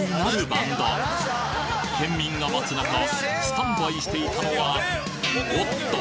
バンド県民が待つ中スタンバイしていたのはおっと！